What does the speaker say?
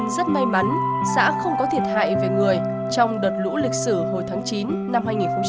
vẫn xã không có thiệt hại về người trong đợt lũ lịch sử hồi tháng chín năm hai nghìn một mươi bảy